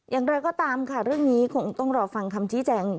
อย่างไรก็ตามค่ะเรื่องนี้คงต้องรอฟังคำชี้แจง